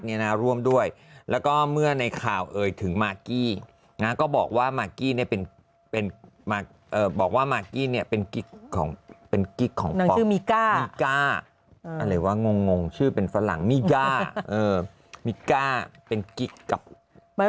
มีก้านี่คือลูกมีก้ากับมีอ่ามีก้ากับมีน่ะเออเขาบอกอย่างงี้